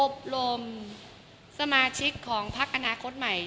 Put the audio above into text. อบรมสมาชิกของพักอนาคตใหม่